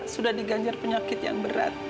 sudah diganjar penyakit yang berat